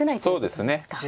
そうですね。